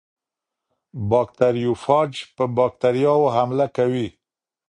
باکتریوفاج په باکتریاوو حمله کوي.